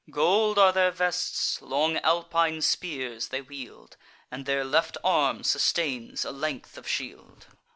Gold are their vests; long Alpine spears they wield, And their left arm sustains a length of shield.